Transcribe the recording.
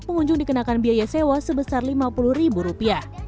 pengunjung dikenakan biaya sewa sebesar rp lima puluh